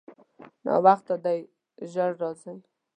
ناوخته دی، ژر راځئ.